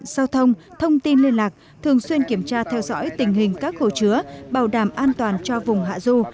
giao thông thông tin liên lạc thường xuyên kiểm tra theo dõi tình hình các hồ chứa bảo đảm an toàn cho vùng hạ du